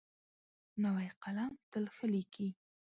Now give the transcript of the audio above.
نوی قلم تل ښه لیکي.